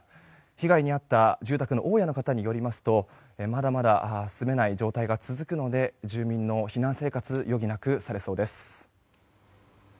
被害に遭った住宅の大家の方によりますとまだまだ住めない状態が続くので住民の避難生活余儀なくされそうです。